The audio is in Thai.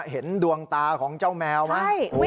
เห็นดวงตาของเจ้าแมวไหม